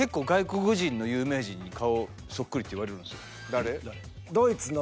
誰？